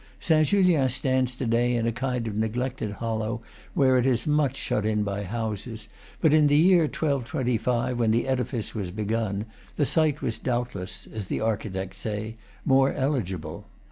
Saint Julian stands to day in a kind of neglected hollow, where it is much shut in by houses; but in the year 1225, when the edifice was begun, the site was doubtless, as the architects say, more eligible.